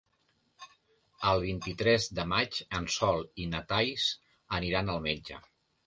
El vint-i-tres de maig en Sol i na Thaís aniran al metge.